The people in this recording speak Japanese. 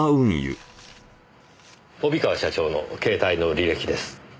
帯川社長の携帯の履歴です。